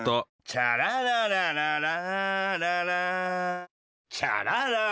「チャラララララララ」「チャラララララ」